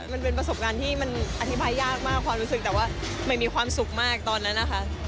มันเป็นประสบการณ์ที่มันอธิบายยากมากความรู้สึกแต่ว่ามันมีความสุขมากตอนนั้นนะคะ